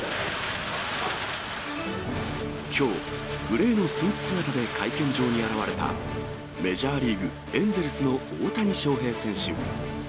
きょう、グレーのスーツ姿で会見場に現れた、メジャーリーグ・エンゼルスの大谷翔平選手。